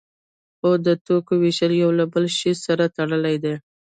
خو د توکو ویش له یو بل شی سره تړلی دی.